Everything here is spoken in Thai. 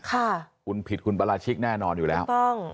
คุณผิดคุณประราชิกแน่นอนอยู่แล้ว